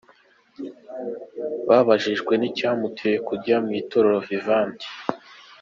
Yabajijwe n'icyamuteye kujya mu itorero Vivante.